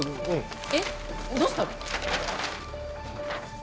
えっどうしたの？